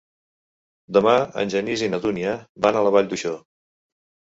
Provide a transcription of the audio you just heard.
Demà en Genís i na Dúnia van a la Vall d'Uixó.